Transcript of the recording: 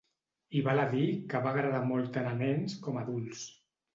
I val a dir que va agradar molt tant a nens com adults.